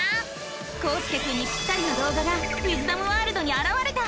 こうすけくんにぴったりの動画がウィズダムワールドにあらわれた！